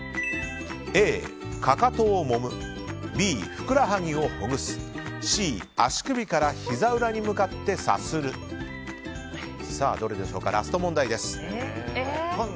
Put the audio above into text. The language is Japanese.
Ａ、かかとをもむＢ、ふくらはぎをほぐすＣ、足首からひざ裏に向かってさするどれでしょうか、ラスト問題です。